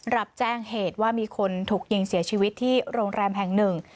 รับแจ้งเหตุว่ามีคนถูกยิงเสียชีวิตที่โรงแรมแห่งหนึ่ง